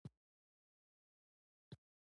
خولۍ د ډاکترانو لپاره سپینه وي.